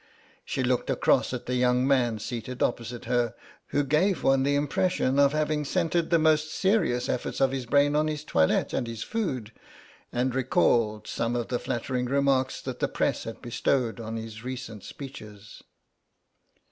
She looked across at the young man seated opposite her, who gave one the impression of having centred the most serious efforts of his brain on his toilet and his food, and recalled some of the flattering remarks that the press had bestowed on his recent speeches.